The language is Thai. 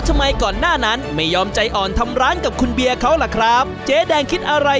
ทำไมก่อนหน้านั้นไม่ยอมใจอ่อนทำร้านกับคุณเบียร์เขาล่ะครับเจ๊แดงคิดอะไร